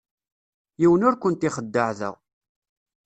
Yiwen ur kent-ixeddeε da.